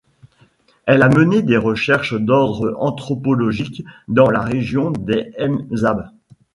Elle a mené des recherches d'ordre anthropologique dans la région des M'Zab.